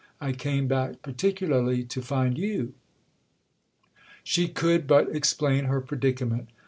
I came back particularly to find you." She could but explain her predicament.